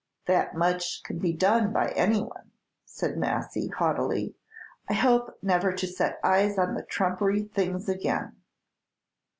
"That much can be done by any one," said Massy, haughtily. "I hope never to set eyes on the trumpery things again."